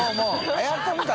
エアコン神。